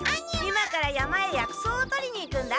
今から山へ薬草をとりに行くんだ。